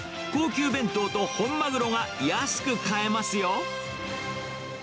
高級弁当と本マグロが安く買えますよ。